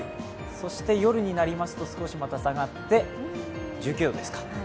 そして夜になりますと少し下がって１９度ですか。